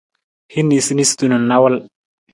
Hin niisaniisatu na nawul.